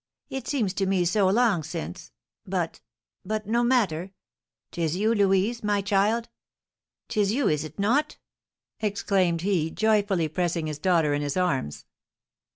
It seems to me so long since but but no matter 'tis you, Louise, my child 'tis you, is it not?" exclaimed he, joyfully pressing his daughter in his arms.